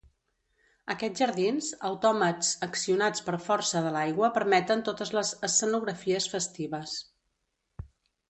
Aquests jardins, autòmats accionats per força de l'aigua permeten totes les escenografies festives.